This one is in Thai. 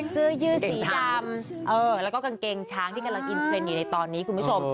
เสื้อยืดสีดำแล้วก็กางเกงช้างที่กำลังกินเทรนด์อยู่ในตอนนี้คุณผู้ชม